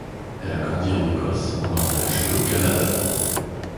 Elle a grandi en Écosse, en Norvège et au Canada.